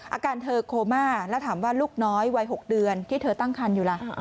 อาการเธอโคม่าแล้วถามว่าลูกน้อยวัย๖เดือนที่เธอตั้งคันอยู่ล่ะ